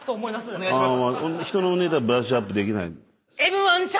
お願いします。